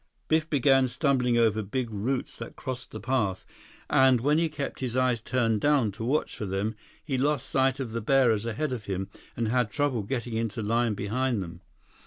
Biff began stumbling over big roots that crossed the path, and when he kept his eyes turned down to watch for them, he lost sight of the bearers ahead of him and had trouble getting into line behind them.